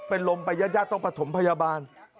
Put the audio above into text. เป็นลมไปญาติญาติต้องประถมพยาบาล